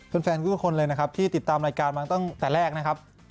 แฟนทุกคนเลยนะครับที่ติดตามรายการมาตั้งแต่แรกนะครับ